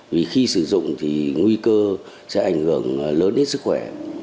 vì khi sử dụng thì nguy cơ sẽ ảnh hưởng lớn đến sức khỏe